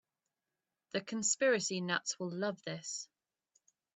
The conspiracy nuts will love this.